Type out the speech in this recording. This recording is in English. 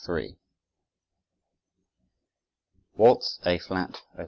Chopin: Waltz, A Flat, Op.